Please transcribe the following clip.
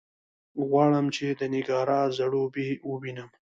غواړم چې د نېګارا ځړوبی ووینم.